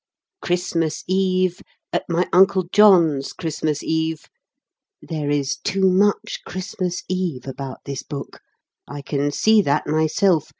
Christmas Eve at my Uncle John's; Christmas Eve (There is too much 'Christmas Eve' about this book. I can see that myself.